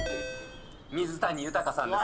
水谷豊さんです。